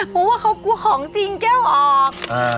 เพราะว่าเขากลัวของจริงแก้วออก